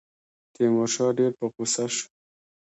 تیمورشاه ډېر په غوسه شو.